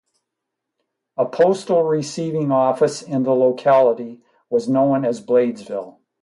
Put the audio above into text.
A postal receiving office in the locality was known as 'Bladesville'.